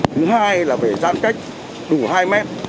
thứ hai là phải giãn cách đủ hai mét